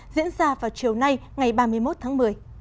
diễn ra vào chiều nay ngày ba mươi một tháng một mươi